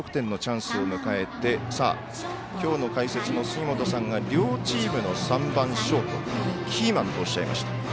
先制得点のチャンスを迎えてきょうの解説の杉本さんが両チームの３番ショートキーマンとおっしゃいました。